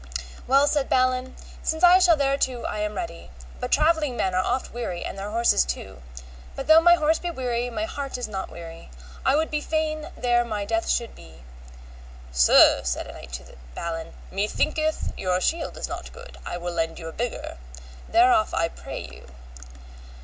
Well, said Balin, since I shall thereto I am ready, but travelling men are oft weary and their horses too, but though my horse be weary my heart is not weary, I would be fain there my death should be. Sir, said a knight to Balin, methinketh your shield is not good, I will lend you a bigger. Thereof I pray you.